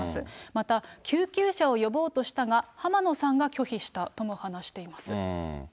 また、救急車を呼ぼうとしたが、浜野さんが拒否したとも話しています。